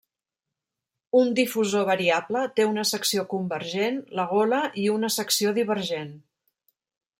Un difusor variable té una secció convergent, la gola i una secció divergent.